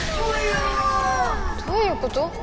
どういうこと？